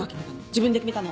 自分で決めたの？